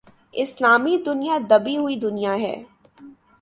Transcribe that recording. اسلامی دنیا دبی ہوئی دنیا ہے۔